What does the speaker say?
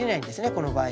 この場合。